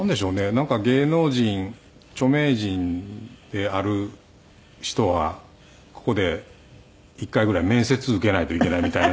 なんか芸能人著名人である人はここで１回ぐらい面接受けないといけないみたいな。